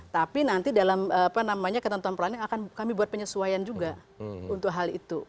tapi nanti dalam apa namanya ketentuan peran yang akan kami buat penyesuaian juga untuk hal itu